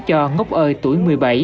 cho ngốc ơi tuổi một mươi bảy